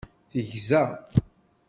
Tegza.